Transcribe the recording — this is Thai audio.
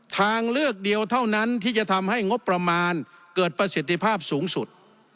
ทางเลือกเดียวเท่านั้นที่จะทำให้งบประมาณเกิดประสิทธิภาพสูงสุด